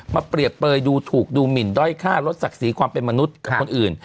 เปรียบเปลยดูถูกดูหมินด้อยค่าลดศักดิ์ศรีความเป็นมนุษย์กับคนอื่น